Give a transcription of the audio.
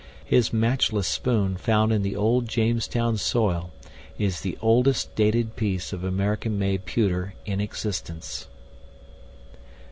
His matchless spoon found in the old Jamestown soil is the oldest dated piece of American made pewter in existence.